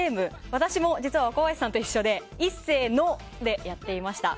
私も若林さんと一緒でいっせーのでやっていました。